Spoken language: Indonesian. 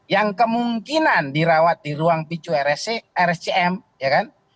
yang kemungkinan dirawat di ruang picu rscm ya kan